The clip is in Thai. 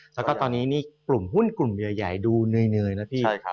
และก็ตอนนี้กลุ่มหุ้นกลุ่มใหญ่ดูเนยนะพี่